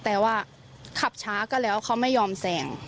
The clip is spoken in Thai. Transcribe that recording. แต่ว่าขับช้าก็แล้วเขาไม่ยอมแสง